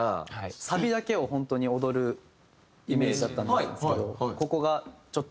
サビだけを本当に踊るイメージだったんですけどここがちょっと。